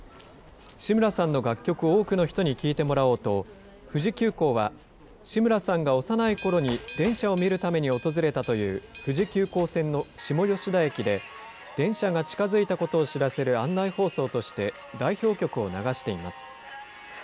志村さんの楽曲を多くの人に聴いてもらおうと、富士急行は、志村さんが幼いころに電車を見るために訪れたという富士急行線の下吉田駅で、電車が近づいたことを知らせる案内放送として、代表曲を流しています。